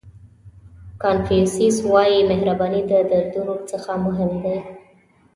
کانفیوسیس وایي مهرباني د دردونو څخه مهم دی.